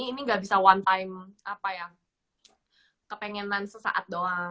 ini gak bisa one time kepinginan sesaat doang